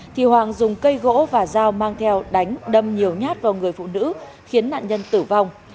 thì hoàng dùng cây gỗ và dao mang theo đánh đâm nhiều nhát vào người phụ nữ khiến nạn nhân tử vong